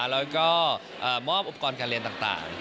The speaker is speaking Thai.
แล้วก็มอบอุปกรณ์การเรียนต่าง